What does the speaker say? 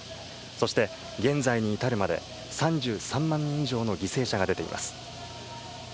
そして、現在に至るまで３３万人以上の犠牲者が出ています。